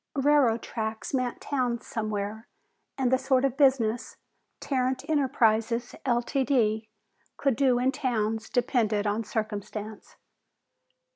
Railroad tracks meant towns somewhere, and the sort of business Tarrant Enterprises, Ltd., could do in towns depended on circumstance.